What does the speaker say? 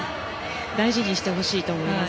大事にしてほしいと思います。